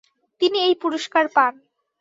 তিনি এই পুরস্কার পান।